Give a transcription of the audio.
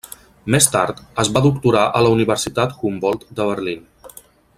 Més tard, es va doctorar a la Universitat Humboldt de Berlín.